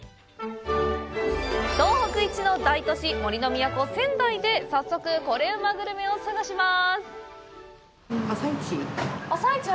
東北一の大都市、杜の都・仙台で早速コレうまグルメを探します。